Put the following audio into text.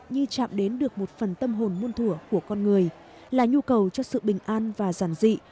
như chạm đến được một phần tâm hồn muôn thủa của con người là nhu cầu cho sự bình an và giản dị